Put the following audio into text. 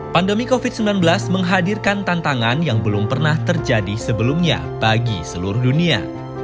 pandemi covid sembilan belas menghadirkan tantangan yang belum pernah terjadi sebelumnya bagi seluruh dunia